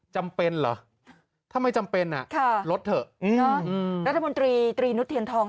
จำเป็นเหรอถ้าไม่จำเป็นอ่ะค่ะลดเถอะรัฐมนตรีตรีนุษเทียนทอง